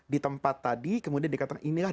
di tempat tadi kemudian dikatakan inilah